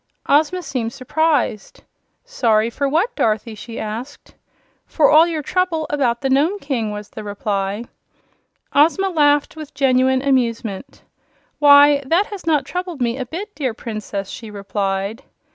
Ozma seemed surprised. "Sorry for what, Dorothy?" she asked. "For all your trouble about the Nome King," was the reply. Ozma laughed with genuine amusement. "Why, that has not troubled me a bit, dear Princess," she replied.